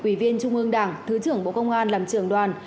quỷ viên trung ương đảng thứ trưởng bộ công an làm trường đoàn